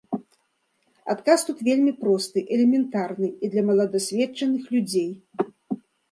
Адказ тут вельмі просты, элементарны і для маладасведчаных людзей.